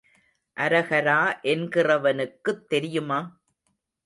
அரகரா என்கிறவனுக்குத் தெரியுமா?